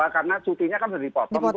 karena cutinya kan sudah dipotong